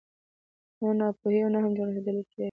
نه ناپوهي او نه هم جغرافیه دلیل کېدای شي